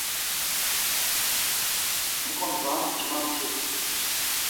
Muǩu ndğa'n mç̌ima mç̌ims.